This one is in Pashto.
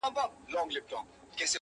چي زما په لورې هغه سپينه جنگرکه راځې,